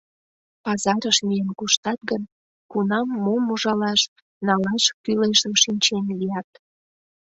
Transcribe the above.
Пазарыш миен коштат гын, кунам мом ужалаш, налаш кӱлешым шинчен лият.